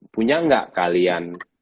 punya gak kalian